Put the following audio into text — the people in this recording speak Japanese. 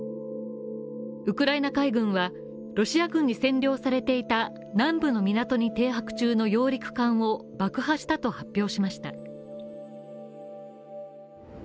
ウクライナ海軍は、ロシア軍に占領されていた南部の港に停泊中の揚陸艦を爆破したと発表しました。